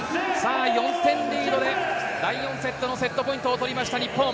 ４点リードで第４セットのセットポイントを取りました日本。